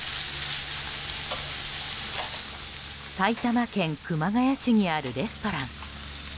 埼玉県熊谷市にあるレストラン。